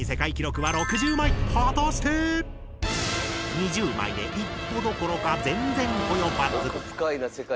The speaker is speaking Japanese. ２０枚で一歩どころか全然及ばず。